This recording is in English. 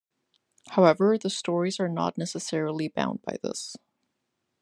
However, the stories are not necessarily bound by this.